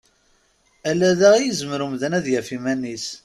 Ala da i yezmer umdan ad yef iman-is.